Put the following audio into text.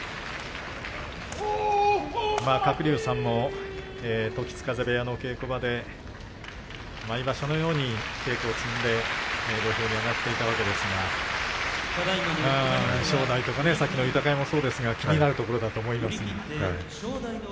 鶴竜さんも時津風部屋の稽古場で毎場所のように稽古を積んで土俵に上がっていたわけですが正代とか先ほどの豊山もそうですが気になるところだと思います。